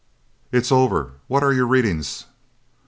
"It's over. What are your readings?"